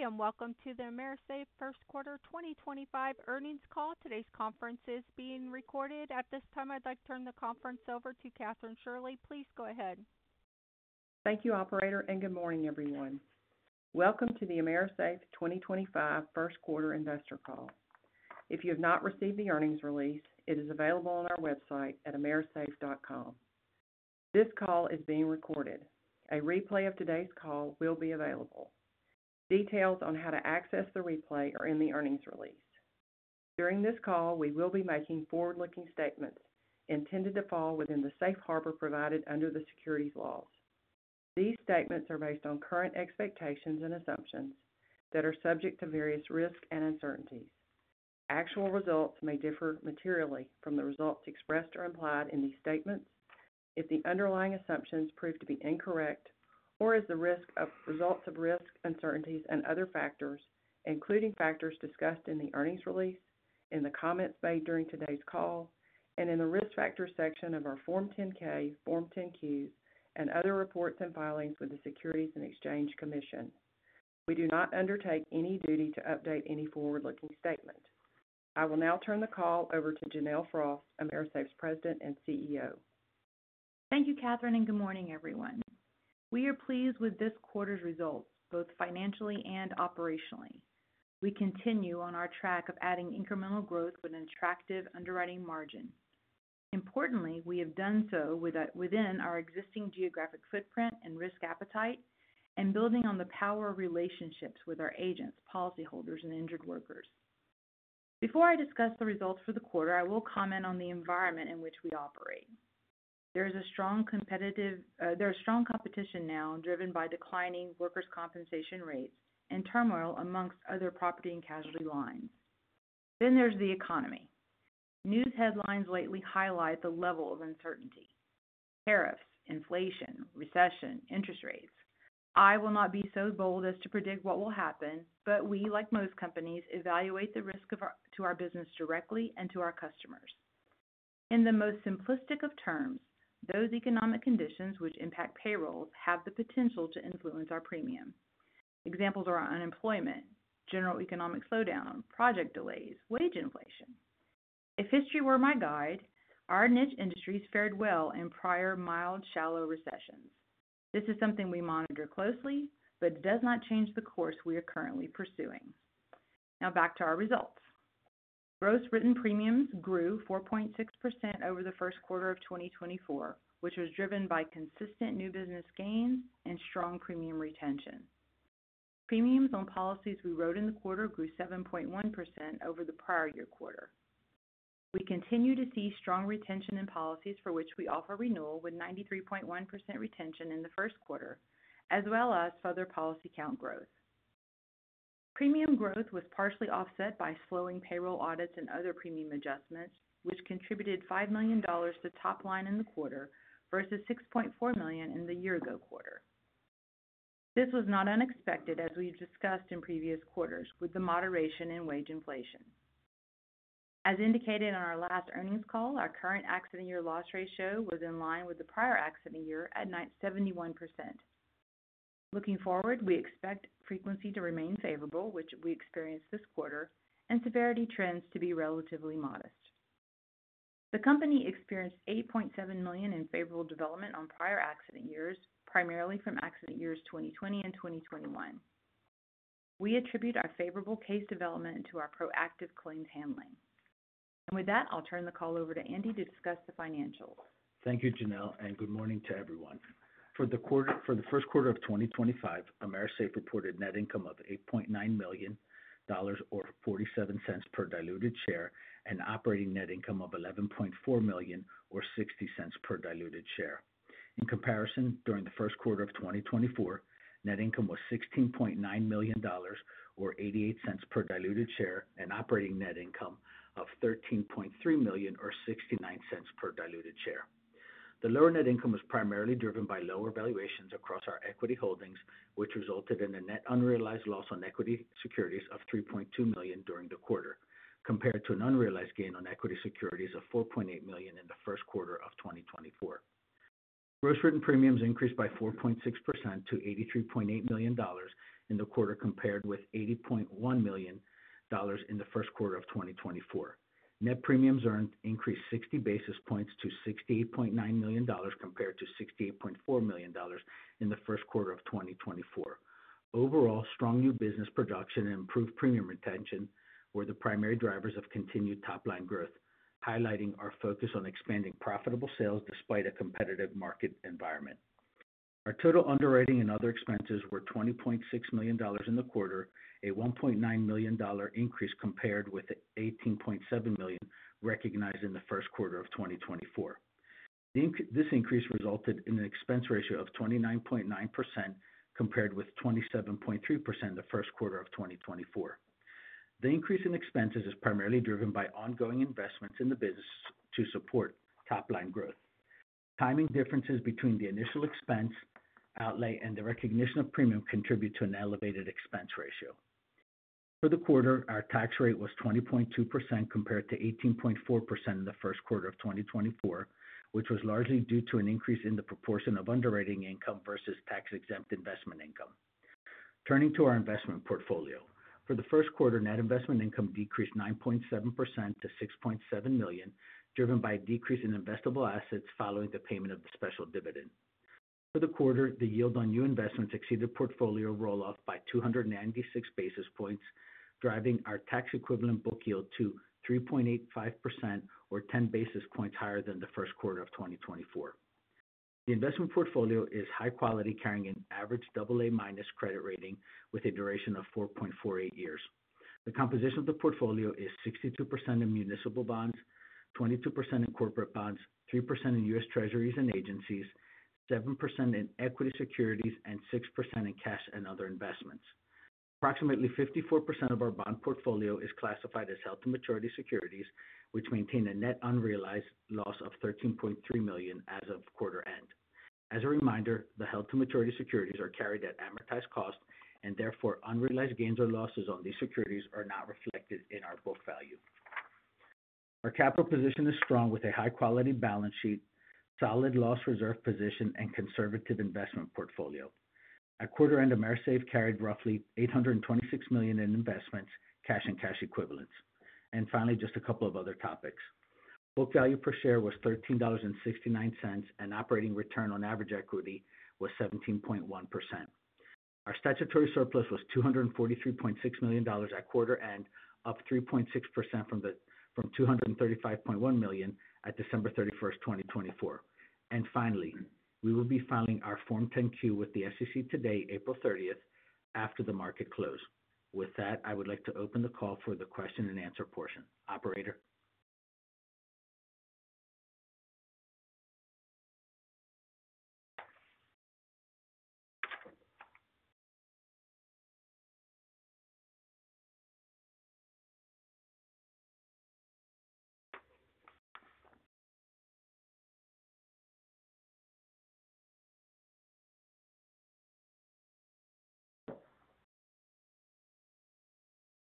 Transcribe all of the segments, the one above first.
Good day and welcome to the AMERISAFE Q1 2025 Earnings Call. Today's conference is being recorded. At this time, I'd like to turn the conference over to Kathryn Shirley. Please go ahead. Thank you, Operator, and good morning, everyone. Welcome to the AMERISAFE 2025 Q1 investor call. If you have not received the earnings release, it is available on our website at amerisafe.com. This call is being recorded. A replay of today's call will be available. Details on how to access the replay are in the earnings release. During this call, we will be making forward-looking statements intended to fall within the safe harbor provided under the securities laws. These statements are based on current expectations and assumptions that are subject to various risks and uncertainties. Actual results may differ materially from the results expressed or implied in these statements if the underlying assumptions prove to be incorrect or as the result of risks, uncertainties and other factors, including factors discussed in the earnings release, in the comments made during today's call and in the Risk Factors section of our Form 10-K, Form 10-Qs and other reports and filings with the U.S. Securities and Exchange Commission. We do not undertake any duty to update any forward looking statement. I will now turn the call over to Janelle Frost, AMERISAFE's President and CEO. Thank you Kathryn and good morning everyone. We are pleased with this quarter's results, both financially and operationally. We continue on our track of adding incremental growth with an attractive underwriting margin. Importantly, we have done so within our existing geographic footprint and risk appetite, and building on the power of relationships with our agents, policyholders and injured workers. Before I discuss the results for the quarter, I will comment on the environment in which we operate. There is strong competition now, driven by declining workers' compensation rates and turmoil amongst other property and casualty lines. There is the economy. News headlines lately highlight the level of uncertainty, tariffs, inflation, recession, interest rates. I will not be so bold as to predict what will happen, but we, like most companies, evaluate the risk to our business directly and to our customers in the most simplistic of terms. Those economic conditions which impact payrolls have the potential to influence our premium. Examples are unemployment, general economic slowdown, project delays, wage inflation. If history were my guide, our niche industries fared well in prior mild, shallow recessions. This is something we monitor closely, but does not change the course we are currently pursuing. Now back to our results. Gross written premiums grew 4.6% over the Q1 of 2024, which was driven by consistent new business gains and strong premium retention. Premiums on policies we wrote in the quarter grew 7.1% over the prior year. Quarter we continue to see strong retention in policies for which we offer renewal with 93.1% retention in the Q1 as well as further policy count growth. Premium growth was partially offset by slowing payroll audits and other premium adjustments which contributed $5 million to top line in the quarter versus $6.4 million in the year-ago quarter. This was not unexpected as we discussed in previous quarters with the moderation in wage inflation. As indicated on our last earnings call, our current accident year loss ratio was in line with the prior accident year at 71%. Looking forward, we expect frequency to remain favorable, which we experienced this quarter, and severity trends to be relatively modest. The company experienced $8.7 million in favorable development on prior accident years, primarily from accident years 2020 and 2021. We attribute our favorable case development to our proactive claims handling and with that I'll turn the call over to Andy to discuss the financials. Thank you, Janelle and good morning to everyone. For the Q1 of 2025, AMERISAFE reported net income of $8.9 million, or $0.47 per diluted share and operating net income of $11.4 million, or $0.60 per diluted share. In comparison, during the Q1 of 2024, net income was $16.9 million, or $0.88 per diluted share and operating net income of $13.3 million, or $0.69 per diluted share. The lower net income was primarily driven by lower valuations across our equity holdings, which resulted in a net unrealized loss on equity securities of $3.2 million during the quarter compared to an unrealized gain on equity securities of $4.8 million in the Q1 of 2024. Gross written premiums increased by 4.6% to $83.8 million in the quarter compared with $80.1 million in the Q1 of 2024. Net premiums earned increased 60 basis points to $68.9 million compared to $68.4 million in the Q1 of 2024. Overall, strong new business production and improved premium retention were the primary drivers of continued top line growth, highlighting our focus on expanding profitable sales despite a competitive market environment. Our total underwriting and other expenses were $20.6 million in the quarter, a $1.9 million increase compared with $18.7 million recognized in the Q1 of 2024. This increase resulted in an expense ratio of 29.9% compared with 27.3% in the Q1 of 2024. The increase in expenses is primarily driven by ongoing investments in the business to support top line growth. Timing differences between the initial expense outlay and the recognition of premium contribute to an elevated expense ratio. For the quarter, our tax rate was 20.2% compared to 18.4% in the Q1 of 2024, which was largely due to an increase in the proportion of underwriting income versus tax exempt investment income. Turning to our investment portfolio, for the Q1, net investment income decreased 9.7% to $6.7 million driven by a decrease in investable assets following the payment of the special dividend. For the quarter, the yield on new investments exceeded portfolio roll off by 296 basis points, driving our tax equivalent book yield to 3.85% or 10 basis points higher than the Q1 of 2024. The investment portfolio is high quality, carrying an average AA minus credit rating with a duration of 4.48 years. The composition of the portfolio is 62% in municipal bonds, 22% in corporate bonds, 3% in U.S. Treasuries and Agencies, 7% in equity securities and 6% in cash and other investments. Approximately 54% of our bond portfolio is classified as held to maturity securities which maintain a net unrealized loss of $13.3 million as of quarter end. As a reminder, the held to maturity securities are carried at amortized cost and therefore unrealized gains or losses on these securities are not reflected in our book value. Our capital position is strong with a high quality balance sheet, solid loss reserve position and conservative investment portfolio. At quarter end, AMERISAFE carried roughly $826 million in investments, cash and cash equivalents. Finally, just a couple of other topics. Book value per share was $13.69 and operating return on average equity was 17.1%. Our statutory surplus was $243.6 million at quarter end, up 3.6% from $235.1 million at December 31, 2024. Finally, we will be filing our Form 10-Q with the SEC today, April 30 after the market close. With that I would like to open the call for the question and answer portion. Operator.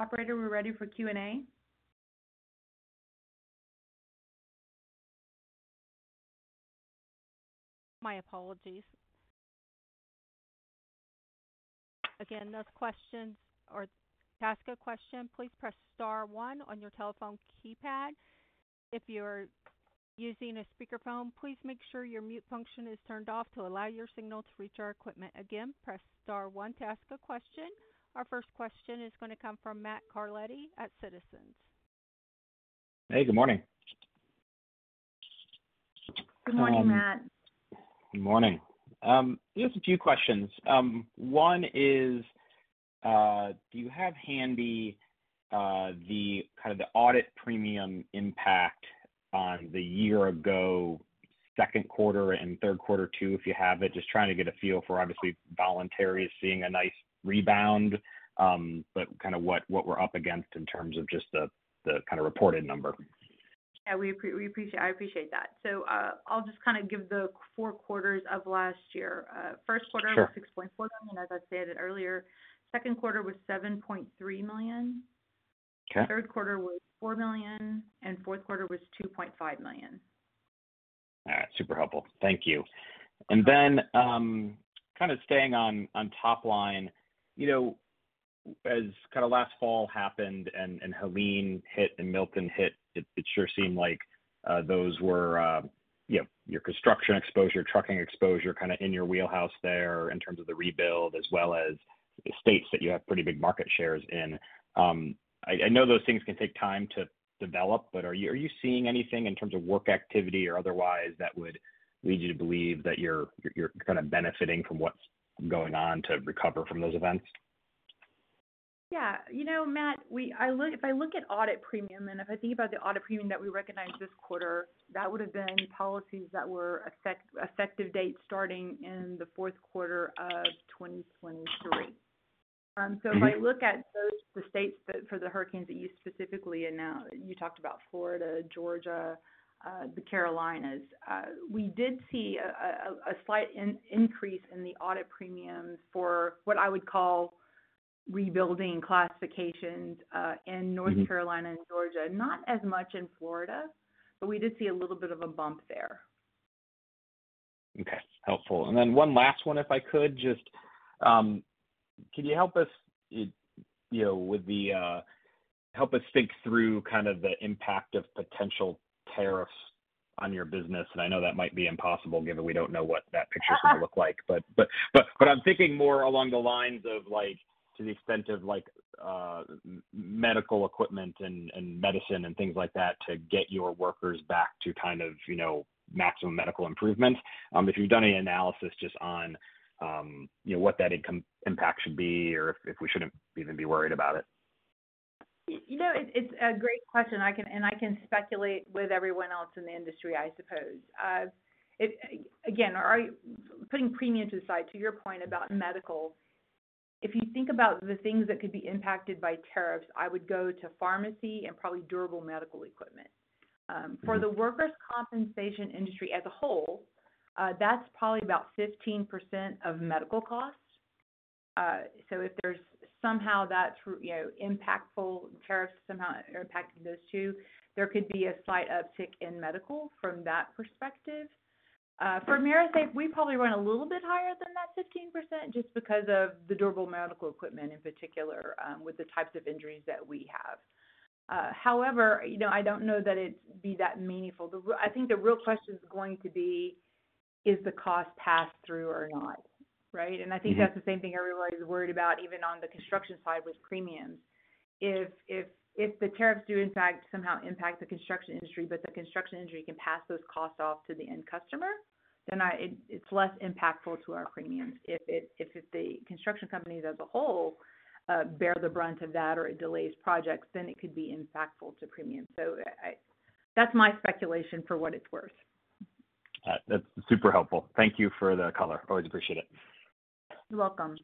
Operator, we're ready for Q&A. My apologies. Again, those questions or ask a question, please press star one on your telephone keypad. If you're using a speakerphone, please make sure your mute function is turned off to allow your signal to reach our equipment. Again, press star one to ask a question. Our first question is going to come from Matt Carletti at Citizens. Hey, good morning. Good morning, Matt. Good morning. Just a few questions. One is, do you have handy the kind of the audit premium impact on the year-ago Q2 and Q3, too, if you have it. Just trying to get a feel for obviously voluntary is seeing a nice rebound, but kind of what. What we're up against in terms of just the kind of reported number. I appreciate that. I'll just kind of give the four quarters of last year. Q1, $6.4 million. As I stated earlier, Q2 was $7.3 million, Q3 was $4 million, and Q4 was $2.5 million. All right, super helpful. Thank you. Kind of staying on top line. As kind of last fall happened and Helene hit and Milton hit. It sure seemed like those were your construction exposure, trucking exposure, kind of in your wheelhouse there in terms of the rebuild, as well as states that you have pretty big market shares in? I know those things can take time to develop, but are you seeing anything in terms of work activity or otherwise that would lead you to believe that you're kind of benefiting from what's going on to recover from those events? Yeah. You know, Matt, if I look at audit premium, and if I think about the audit premium that we recognized this quarter, that would have been policies that were effective dates starting in the Q4, quarter of 2023. If I look at the states for the hurricanes that you specifically announced, you talked about Florida, Georgia, the Carolinas, we did see a slight increase in the audit premiums for what I would call rebuilding classifications in North Carolina and Georgia. Not as much in Florida, but we did see a little bit of a bump there. Okay, helpful. Then one last one. If I could just. Can you help us, you know, with the. Help us think through kind of the impact of potential tariffs on your business? I know that might be impossible, given we do not know what that picture's gonna look like, but I am thinking more along the lines of, like, to the extent of, like, medical equipment and medicine and things like that to get your workers back to kind of, you know, maximum medical improvement. If you have done any analysis just on what that impact should be or if we should not even be worried about it. It's a great question. I can speculate with everyone else in the industry, I suppose, again, putting premiums aside, to your point about medical. If you think about the things that could be impacted by tariffs, I would go to pharmacy and probably durable medical equipment. For the workers' compensation industry as a whole, that's probably about 15% of medical costs. If tariffs somehow impact those two, there could be a slight uptick in medical from that perspective. For AMERISAFE, we probably run a little bit higher than that 15% just because of the durable medical equipment, in particular with the types of injuries that we have. However, I don't know that it would be that meaningful. I think the real question is going to be is the cost passed through or not, right. I think that's the same thing everybody's worried about, even on the construction side with premiums. If the tariffs do in fact somehow impact the construction industry, but the construction industry can pass those costs off to the end customer, then it's less impactful to our premiums. If the construction companies as a whole bear the brunt of that or it delays projects, then it could be impactful to premium. That's my speculation, for what it's worth. That's super helpful. Thank you for the color. Always appreciate it. You're welcome.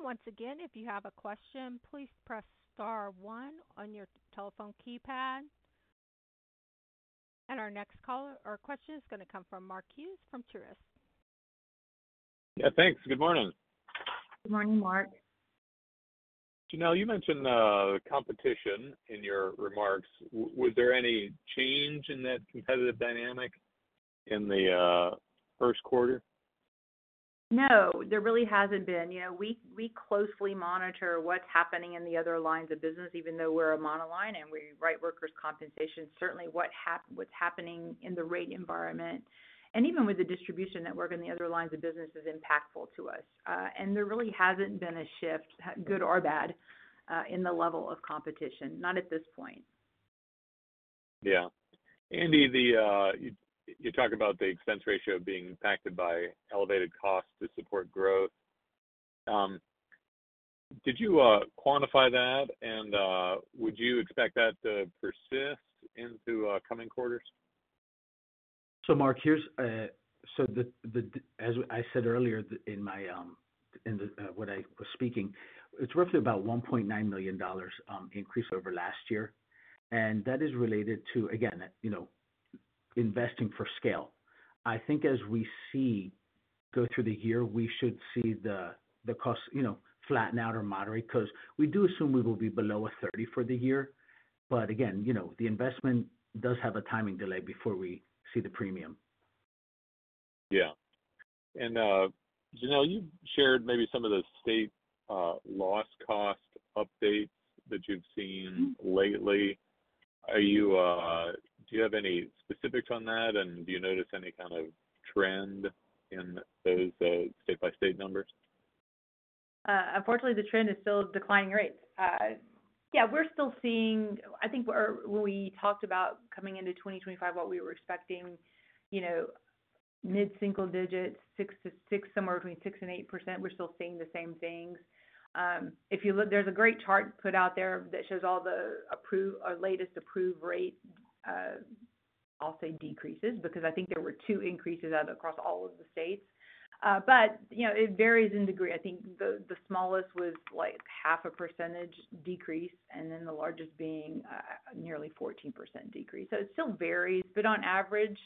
Once again, if you have a question, please press Star one on your telephone keypad. Our next caller or question is going to come from Mark from Truist. Yeah, thanks. Good morning. Good morning, Mark. Janelle, you mentioned competition in your remarks. Was there any change in that competitive dynamic in the Q1? No, there really hasn't been. You know, we closely monitor what's happening in the other lines of business, even though we're a monoline and we write workers' compensation. Certainly what's happening in the rate environment and even with the distribution network and the other lines of business is impactful to us. There really hasn't been a shift, good or bad in the level of competition, not at this point. Yeah. Andy, you talk about the expense ratio being impacted by elevated costs to support growth. Did you quantify that? Would you expect that to persist into coming quarters? Mark, here's the, as I said earlier in what I was speaking, it's roughly about $1.9 million increase over last year. That is related to, again, you know, investing for scale. I think as we go through the year, we should see the cost flatten out or moderate because we do assume we will be below a 30 for the year. Again, the investment does have a timing delay before we see the premium. Yeah. Janelle, you shared maybe some of the state loss cost updates that you've seen lately. Do you have any specifics on that? Do you notice any kind of trend in those state by state numbers? Unfortunately, the trend is still declining rates. Yeah, we're still seeing, I think when we talked about coming into 2025, what we were expecting, you know, mid-single digits, 6-6, somewhere between 6-8%. We're still seeing the same things. If you look, there's a great chart put out there that shows all the approved or latest approved rate. I'll say decreases because I think there were two increases out across all of the states. You know, it varies in degree. I think the smallest was like half a percentage decrease and then the largest being nearly 14% decrease. It still varies, but on average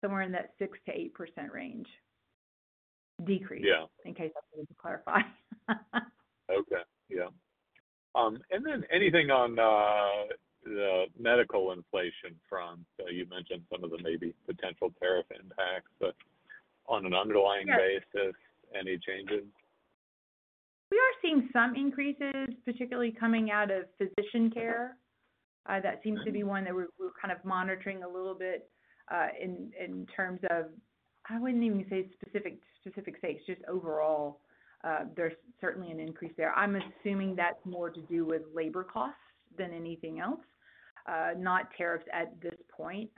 somewhere in that 6-8% range decrease, in case I wanted to clarify. Okay, yeah. Anything on the medical inflation front? You mentioned some of the maybe potential tariff impacts, so. On an underlying basis, any changes? We are seeing some increases, particularly coming out of physician care. That seems to be one that we're kind of monitoring a little bit in terms of. I wouldn't even say specific states, just overall. There's certainly an increase there. I'm assuming that's more to do with labor costs than anything else. Not tariffs at this point,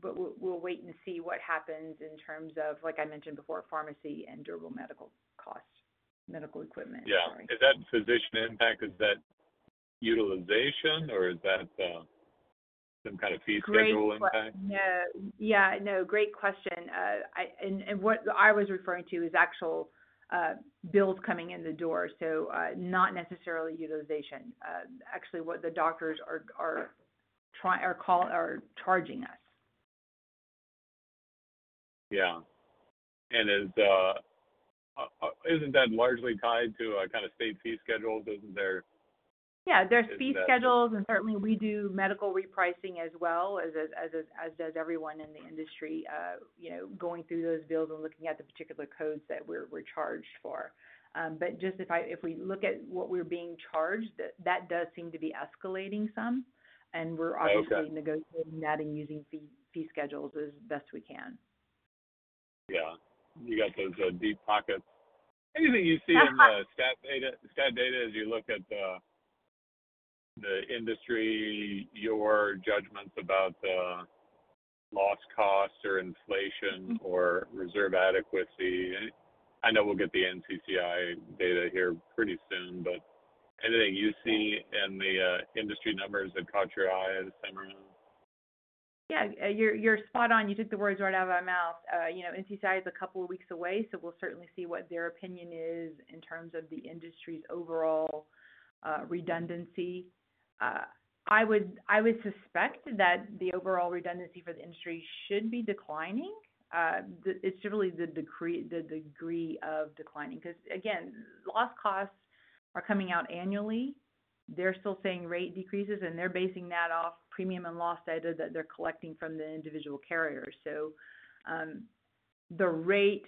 but we'll wait and see what happens. In terms of, like I mentioned before, pharmacy and durable medical cost, medical equipment. Is that physician impact, is that utilization, or is that some kind of fee schedule impact? No. Yeah, no, great question. What I was referring to is actual bills coming in the door, so not necessarily utilization, actually what the doctors are charging us. Yeah. Isn't that largely tied to kind of state fee schedules, isn't there? Yeah, there's fee schedules, and certainly we do medical repricing as well, as does everyone in the industry. You know, going through those bills and looking at the particular codes that we're charged for. If we look at what we're being charged, that does seem to be escalating some, and we're obviously negotiating that and using fee schedules as best we can. Yeah, you got those deep pockets. Anything you see in the stat data as you look at the industry, your judgments about the loss cost or inflation or reserve adequacy. I know we'll get the NCCI data here pretty soon, but anything you see in the industry numbers that caught your eye this time around? Yeah, you're spot on. You took the words right out of my mouth. You know, NCCI is a couple of weeks away, so we'll certainly see what their opinion is in terms of the industry's overall redundancy. I would suspect that the overall redundancy for the industry should be declining. It's generally the degree of declining because again, loss costs are coming out annually. They're still saying rate decreases, and they're basing that off premium and loss data that they're collecting from the individual carriers. The rate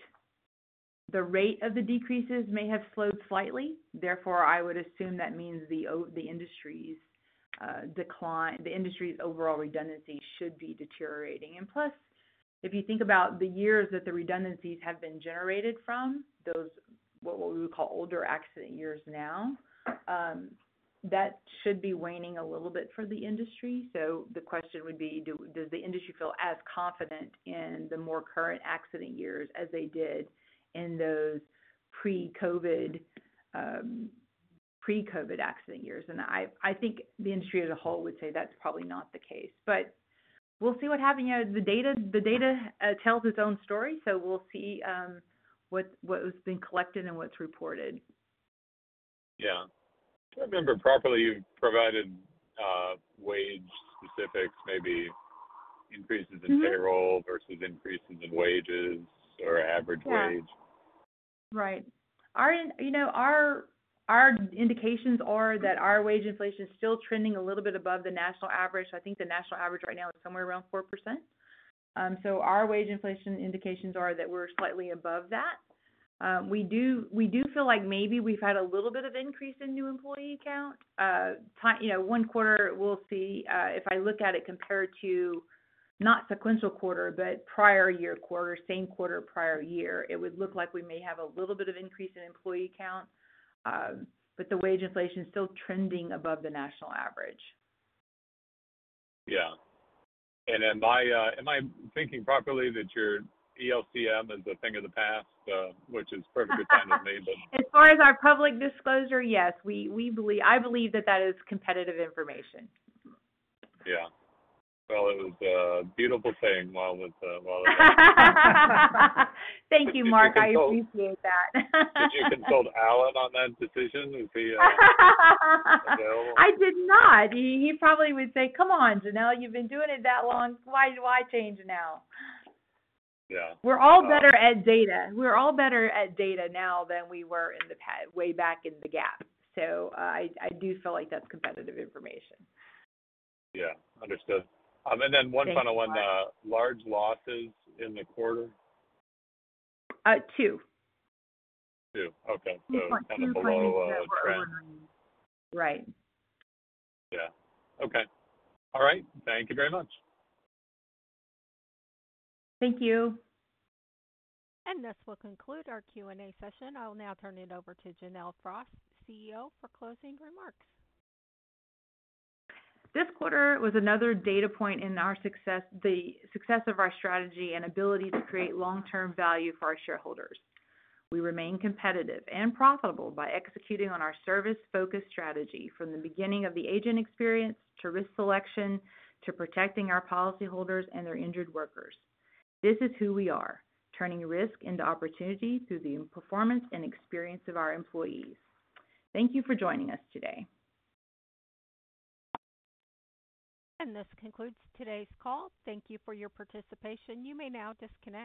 of the decreases may have slowed slightly. Therefore, I would assume that means the industry's decline, the industry's overall redundancy should be deteriorating. Plus, if you think about the years that the redundancies have been generated from, those what we would call older accident years now, that should be waning a little bit for the industry. The question would be, does the industry feel as confident in the more current accident years as they did in those pre-COVID accident years? I think the industry as a whole would say that's probably not the case. We'll see what happened. The data tells its own story. We'll see what has been collected and what's reported. Yeah. Remember, properly you provided wage specifics. Maybe increases in payroll versus increases in wages or average wage. Right. You know, our indications are that our wage inflation is still trending a little bit above the national average. I think the national average right now is somewhere around 4%. So our wage inflation indications are that we're slightly above that. We do feel like maybe we've had a little bit of increase in new employee count. 1Q. We'll see. If I look at it, compared to not sequential quarter, but prior-year quarter, same quarter, prior year, it would look like we may have a little bit of increase in employee count, but the wage inflation is still trending above the national average. Yeah. Am I thinking properly that your ELCM is a thing of the past? Which is perfectly fine with me. As far as our public disclosure, yes, we believe, I believe that that is competitive information. Yeah. It was a beautiful thing. Thank you, Mark. I appreciate that. Did you consult Alan on that decision? I did not. He probably would say, come on, Janelle, you've been doing it that long. Why do I change now? Yeah, we're all better at data. We're all better at data now than we were in the past way back in the gap. So I do feel like that's competitive information. Yeah, understood. One final one, large losses in the quarter. Two. Two. Okay. Kind of below trend. Right? Yeah. Okay. All right, thank you very much. Thank you. This will conclude our Q&A session. I will now turn it over to Janelle Frost, CEO, for closing remarks. This quarter was another data point in our success, the success of our strategy and ability to create long term value for our shareholders. We remain competitive and profitable by executing on our service focused strategy from the beginning of the agent experience to risk selection to protecting our policyholders and their injured workers. This is who we are, turning risk into opportunity through the performance and experience of our employees. Thank you for joining us today. This concludes today's call. Thank you for your participation. You may now disconnect.